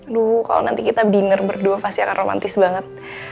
aduh kalau nanti kita dinner berdua pasti akan romantis banget